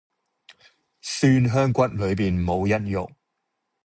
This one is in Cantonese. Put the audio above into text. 蒜香骨裡面冇一肉